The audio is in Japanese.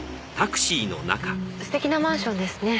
素敵なマンションですね。